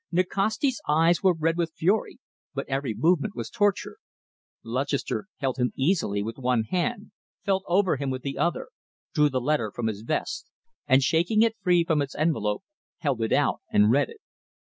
Nikasti's eyes were red with fury, but every movement was torture. Lutchester held him easily with one hand, felt over him with the other, drew the letter from his vest, and, shaking it free from its envelope, held it out and read it.